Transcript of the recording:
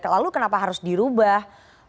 lalu kenapa harus dirubah